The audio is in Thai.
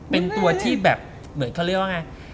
เป็นตัวที่แบบเหมือนเขาเรียกว่าไง